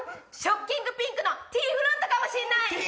ショッキングピンクのＴフロントかもしんない！